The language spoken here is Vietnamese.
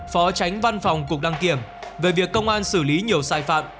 phó tránh văn phòng cục đăng kiểm về việc công an xử lý nhiều sai phạm